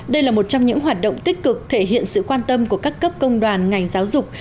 đây là một trong những hoạt động tích cực thể hiện sự quan tâm của các cấp công đoàn ngành giáo dục